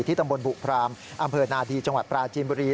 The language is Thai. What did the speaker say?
ตำบลบุพรามอำเภอนาดีจังหวัดปราจีนบุรี